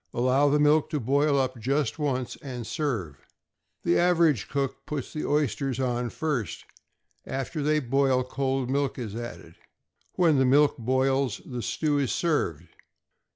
Allow the milk to boil up just once, and serve. The average cook puts the oysters on first, and after they boil cold milk is added. When the milk boils, the stew is served.